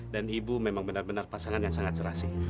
dan ibu memang benar benar pasangan yang sangat serasi